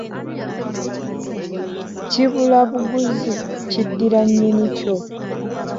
Kibula buguzi kiddira nyinni kyo .